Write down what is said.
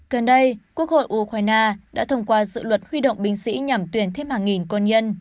gần đây quốc hội ukraine đã thông qua dự luật huy động binh sĩ nhằm tuyển thêm hàng nghìn quân nhân